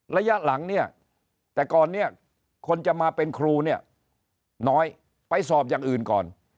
ระยะหลังเนี่ยแต่ก่อนเนี่ยคนจะมาเป็นครูเนี่ยน้อยไปสอบอย่างอื่นก่อน